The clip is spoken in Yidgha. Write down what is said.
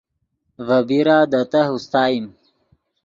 ڤے بیرا دے تہہ اوستائیم